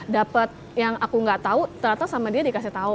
dapat yang aku nggak tahu ternyata sama dia dikasih tahu